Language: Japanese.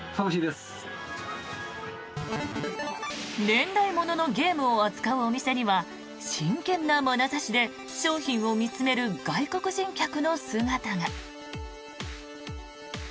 年代物のゲームを扱うお店には真剣なまなざしで商品を見つめる外国人観光客の姿が。